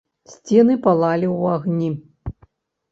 Сцены палалі ў агні.